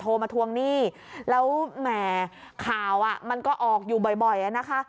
มาทวงหนี้แล้วแหมข่าวอ่ะมันก็ออกอยู่บ่อยอะนะคะ